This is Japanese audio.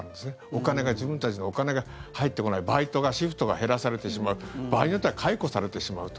お金が、自分たちのお金が入ってこないバイトが、シフトが減らされてしまう場合によっては解雇されてしまうと。